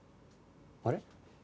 あれ？